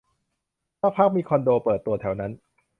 สักพักมีคอนโดเปิดตัวแถวนั้น